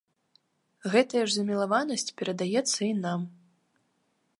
Гэтая ж замілаванасць перадаецца і нам.